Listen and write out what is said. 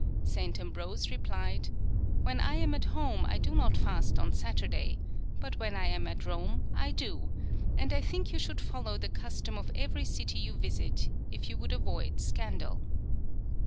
St. Ambrose replied, " When I am at home I do not fast on Saturday, but when I am at Rome I do ; and I think you should follow the custom of every city you visit, if you . would avoid scandal."